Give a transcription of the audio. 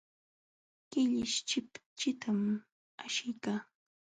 Killish chipchitam ashiykan.